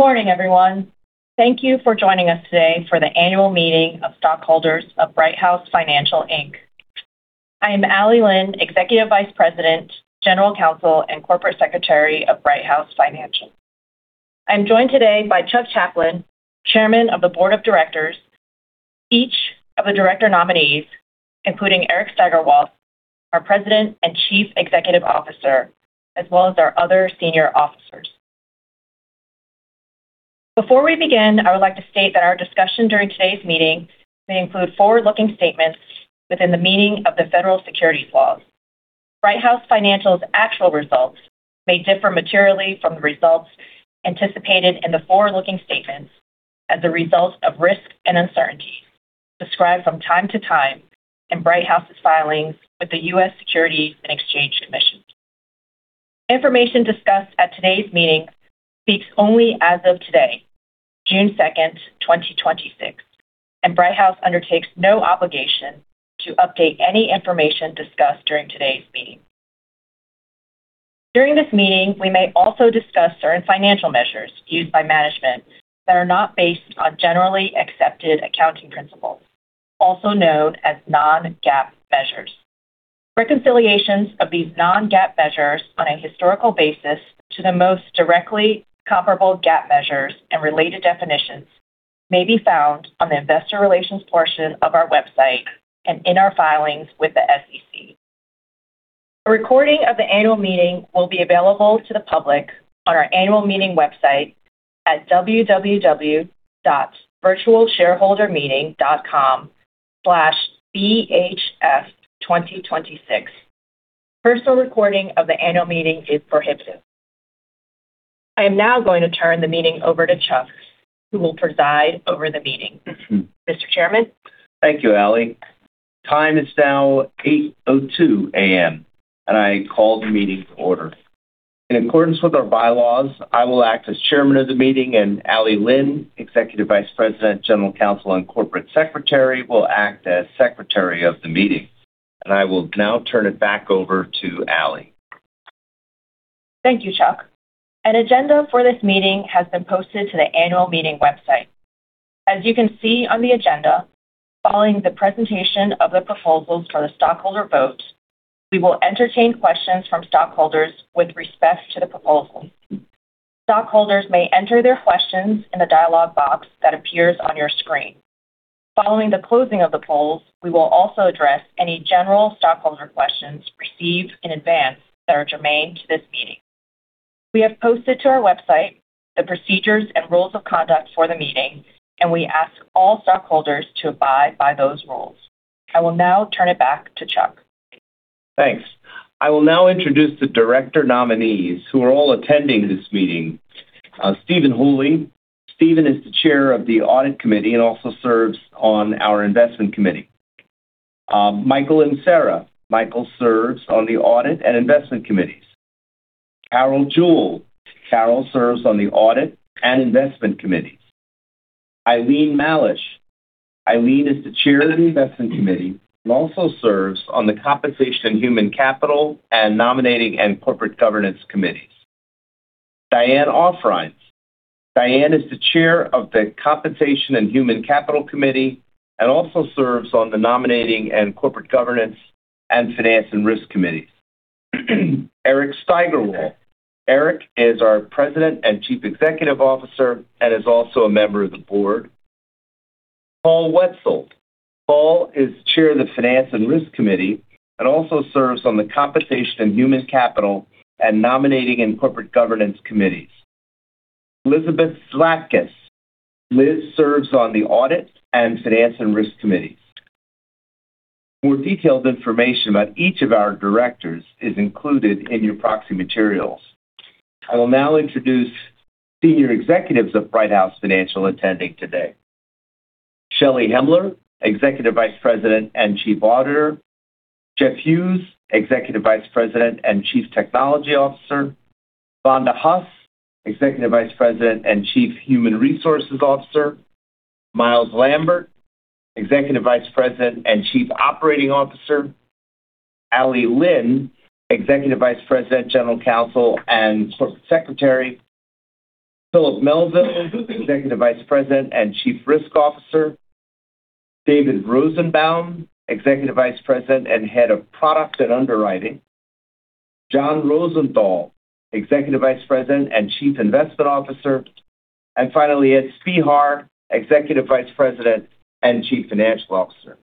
Good morning, everyone. Thank you for joining us today for the annual meeting of stockholders of Brighthouse Financial, Inc. I am Allie Lin, Executive Vice President, General Counsel, and Corporate Secretary of Brighthouse Financial. I'm joined today by Chuck Chaplin, Chairman of the Board of Directors, each of the director nominees, including Eric Steigerwalt, our President and Chief Executive Officer, as well as our other senior officers. Before we begin, I would like to state that our discussion during today's meeting may include forward-looking statements within the meaning of the federal securities laws. Brighthouse Financial's actual results may differ materially from the results anticipated in the forward-looking statements as a result of risks and uncertainties described from time to time in Brighthouse's filings with the U.S. Securities and Exchange Commission. Information discussed at today's meeting speaks only as of today, June 2nd, 2026, and Brighthouse undertakes no obligation to update any information discussed during today's meeting. During this meeting, we may also discuss certain financial measures used by management that are not based on generally accepted accounting principles, also known as non-GAAP measures. Reconciliations of these non-GAAP measures on a historical basis to the most directly comparable GAAP measures and related definitions may be found on the investor relations portion of our website and in our filings with the SEC. A recording of the annual meeting will be available to the public on our annual meeting website at www.virtualshareholdermeeting.com/BHF2026. Personal recording of the annual meeting is prohibited. I am now going to turn the meeting over to Chuck, who will preside over the meeting. Mr. Chairman? Thank you, Allie. Time is now 8:02 A.M. I call the meeting to order. In accordance with our bylaws, I will act as Chairman of the meeting, and Allie Lin, Executive Vice President, General Counsel, and Corporate Secretary, will act as Secretary of the meeting. I will now turn it back over to Allie. Thank you, Chuck. An agenda for this meeting has been posted to the annual meeting website. As you can see on the agenda, following the presentation of the proposals for the stockholder vote, we will entertain questions from stockholders with respect to the proposals. Stockholders may enter their questions in the dialog box that appears on your screen. Following the closing of the polls, we will also address any general stockholder questions received in advance that are germane to this meeting. We have posted to our website the procedures and rules of conduct for the meeting, and we ask all stockholders to abide by those rules. I will now turn it back to Chuck. Thanks. I will now introduce the director nominees who are all attending this meeting. Stephen Hooley. Stephen is the chair of the audit committee and also serves on our investment committee. Michael Inserra. Michael serves on the audit and investment committees. Carol Juel. Carol serves on the audit and investment committees. Eileen Mallesch. Eileen is the chair of the investment committee and also serves on the Compensation and Human Capital Committee and nominating and corporate governance committees. Diane Offereins. Diane is the chair of the Compensation and Human Capital Committee and also serves on the nominating and corporate governance and finance and risk committees. Eric Steigerwalt. Eric is our President and Chief Executive Officer and is also a member of the board. Paul Wetzel. Paul is chair of the finance and risk committee and also serves on the Compensation and Human Capital Committee and nominating and corporate governance committees. Lizabeth Zlatkus. Liz serves on the audit and finance and risk committees. More detailed information about each of our directors is included in your proxy materials. I will now introduce senior executives of Brighthouse Financial attending today. Shelly Hemler, Executive Vice President and Chief Auditor. Jeff Hughes, Executive Vice President and Chief Technology Officer. Vonda Huss, Executive Vice President and Chief Human Resources Officer. Myles Lambert, Executive Vice President and Chief Operating Officer. Allie Lin, Executive Vice President, General Counsel, and Corporate Secretary. Philip Melville, Executive Vice President and Chief Risk Officer. David Rosenbaum, Executive Vice President and Head of Product and Underwriting. John Rosenthal, Executive Vice President and Chief Investment Officer. Finally, Ed Spehar, Executive Vice President and Chief Financial Officer.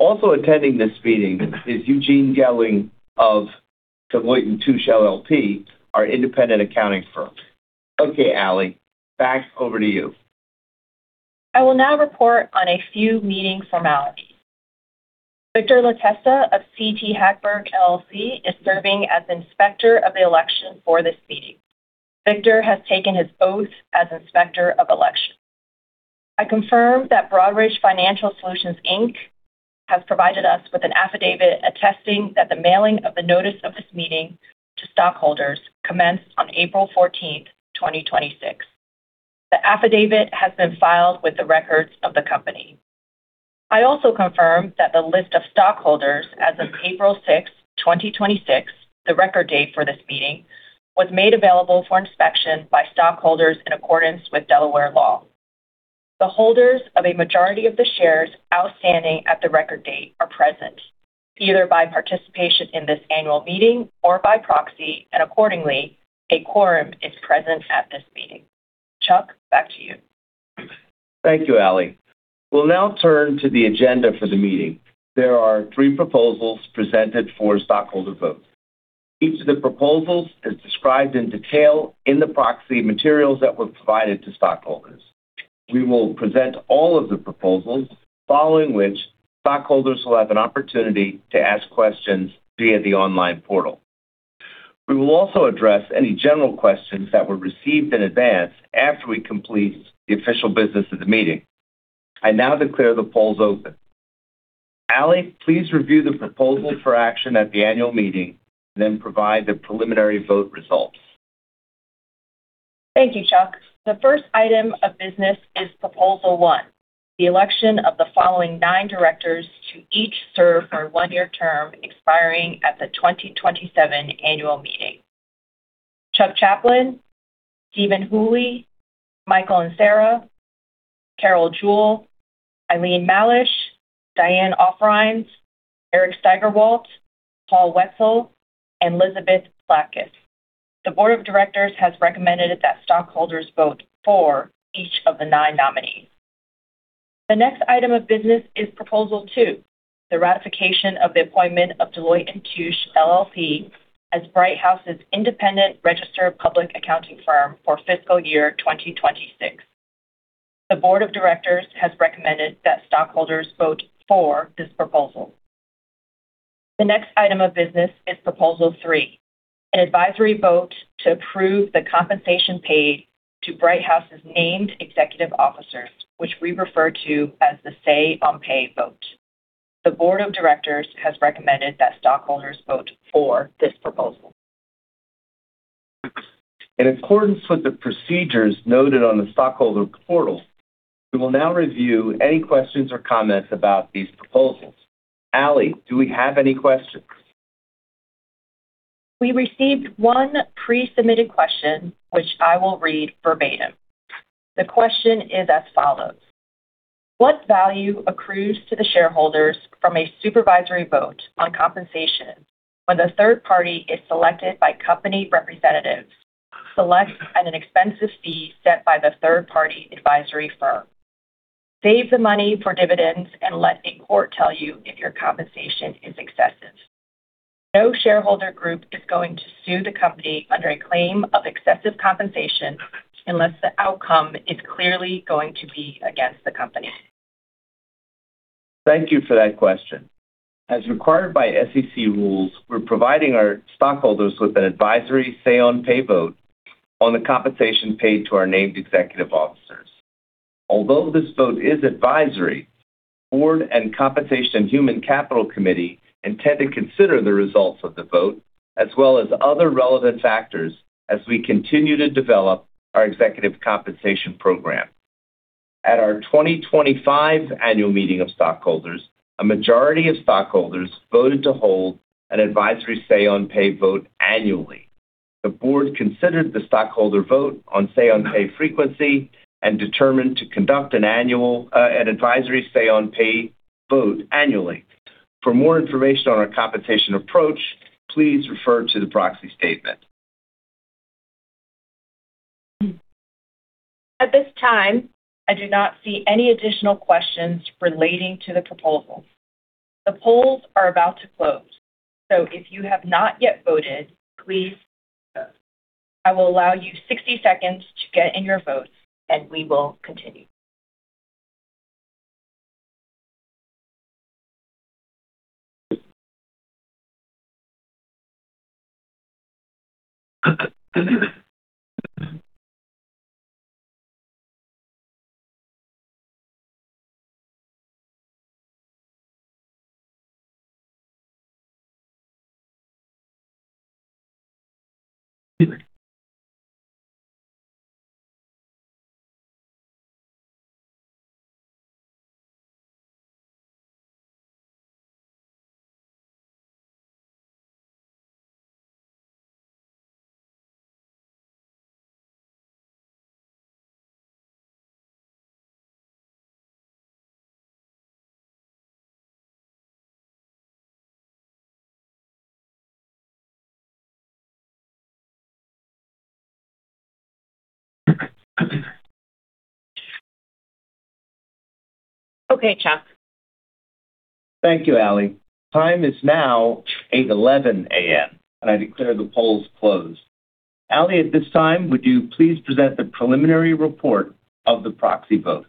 Also attending this meeting is Eugene Gelling of Deloitte & Touche LLP, our independent accounting firm. Okay, Allie, back over to you. I will now report on a few meeting formalities. Victor Lattesta of CT Hagberg LLC is serving as Inspector of Election for this meeting. Victor has taken his oath as Inspector of Election. I confirm that Broadridge Financial Solutions, Inc. has provided us with an affidavit attesting that the mailing of the notice of this meeting to stockholders commenced on April 14th, 2026. The affidavit has been filed with the records of the company. I also confirm that the list of stockholders as of April 6, 2026, the record date for this meeting, was made available for inspection by stockholders in accordance with Delaware law. The holders of a majority of the shares outstanding at the record date are present, either by participation in this annual meeting or by proxy, and accordingly, a quorum is present at this meeting. Chuck, back to you. Thank you, Allie. We'll now turn to the agenda for the meeting. There are three proposals presented for stockholder vote. Each of the proposals is described in detail in the proxy materials that were provided to stockholders. We will present all of the proposals, following which stockholders will have an opportunity to ask questions via the online portal. We will also address any general questions that were received in advance after we complete the official business of the meeting. I now declare the polls open. Allie, please review the proposals for action at the annual meeting, then provide the preliminary vote results. Thank you, Chuck. The first item of business is proposal one, the election of the following nine directors to each serve for a one-year term expiring at the 2027 annual meeting. Chuck Chaplin, Stephen Hooley, Michael Inserra, Carol Juel, Eileen Mallesch, Diane Offereins, Eric Steigerwalt, Paul Wetzel, and Lizabeth Zlatkus. The board of directors has recommended that stockholders vote for each of the nine nominees. The next item of business is proposal two, the ratification of the appointment of Deloitte & Touche LLP as Brighthouse's independent registered public accounting firm for fiscal year 2026. The board of directors has recommended that stockholders vote for this proposal. The next item of business is proposal three, an advisory vote to approve the compensation paid to Brighthouse's named executive officers, which we refer to as the Say-on-Pay vote. The board of directors has recommended that stockholders vote for this proposal. In accordance with the procedures noted on the stockholder portal, we will now review any questions or comments about these proposals. Allie, do we have any questions? We received one pre-submitted question, which I will read verbatim. The question is as follows: What value accrues to the shareholders from a supervisory vote on compensation when the third party is selected by company representatives? Select at an expensive fee set by the third-party advisory firm. Save the money for dividends and let a court tell you if your compensation is excessive. No shareholder group is going to sue the company under a claim of excessive compensation unless the outcome is clearly going to be against the company. Thank you for that question. As required by SEC rules, we're providing our stockholders with an advisory Say-on-Pay vote on the compensation paid to our named executive officers. Although this vote is advisory, board and Compensation and Human Capital Committee intend to consider the results of the vote, as well as other relevant factors as we continue to develop our executive compensation program. At our 2025 annual meeting of stockholders, a majority of stockholders voted to hold an advisory Say-on-Pay vote annually. The board considered the stockholder vote on Say-on-Pay frequency and determined to conduct an advisory Say-on-Pay vote annually. For more information on our compensation approach, please refer to the proxy statement. At this time, I do not see any additional questions relating to the proposal. The polls are about to close, so if you have not yet voted, please vote. I will allow you 60 seconds to get in your votes, and we will continue. Okay, Chuck. Thank you, Allie. Time is now 8:11 A.M., and I declare the polls closed. Allie, at this time, would you please present the preliminary report of the proxy vote?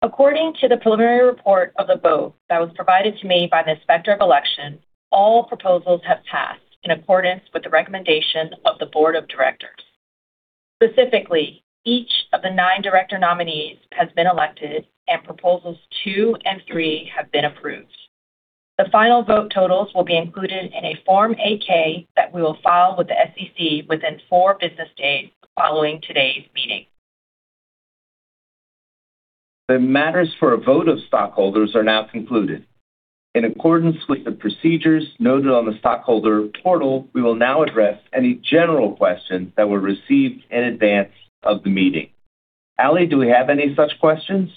According to the preliminary report of the vote that was provided to me by the Inspector of Election, all proposals have passed in accordance with the recommendation of the board of directors. Specifically, each of the nine director nominees has been elected, and proposals two and three have been approved. The final vote totals will be included in a Form 8-K that we will file with the SEC within four business days following today's meeting. The matters for a vote of stockholders are now concluded. In accordance with the procedures noted on the stockholder portal, we will now address any general questions that were received in advance of the meeting. Allie, do we have any such questions?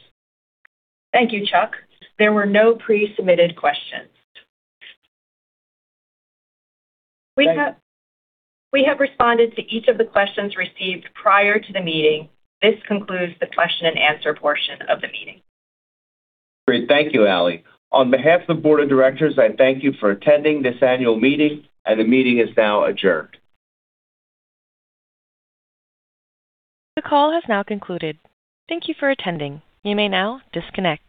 Thank you, Chuck. There were no pre-submitted questions. Great. We have responded to each of the questions received prior to the meeting. This concludes the question-and-answer portion of the meeting. Great. Thank you, Allie. On behalf of the board of directors, I thank you for attending this annual meeting. The meeting is now adjourned. The call has now concluded. Thank you for attending. You may now disconnect.